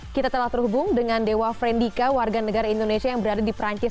kita telah terhubung dengan dewa frendika warga negara indonesia yang berada di perancis